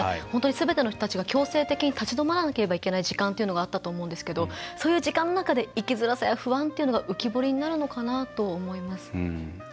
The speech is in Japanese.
本当にすべての人たちが強制的に立ち止まらなければいけない時間というのがあったと思いますがそういう時間の中で生きづらさや不安というのが浮き彫りになるのかなと思います。